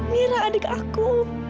mira adik aku